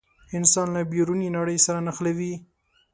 انسان له بیروني نړۍ سره نښلوي.